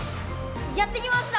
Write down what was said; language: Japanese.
やって来ました！